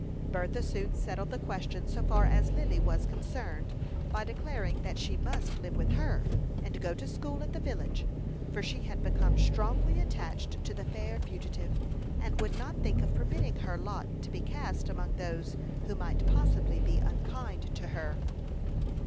Bertha soon settled the question so far as Lily was concerned, by declaring that she must live with her, and go to school at the village, for she had become strongly attached to the fair fugitive, and would not think of permitting her lot to be cast among those who might possibly be unkind to her.